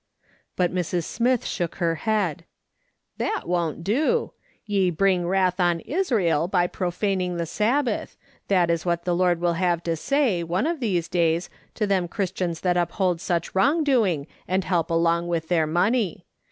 But Mrs. Smith shook her head. " That won't do. ' Ye bring wrath on Israel by profaning the Sabbath,' that is what the Lord will "PERHAPS SHE'S RIGHT.''' 113 have to say, one of these days, to them Christians that uphold such wrongdoing, and help along with their money.